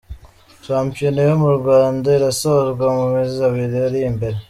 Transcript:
Shampiyona yo mu Rwanda irasozwa mumezi abiri arimbere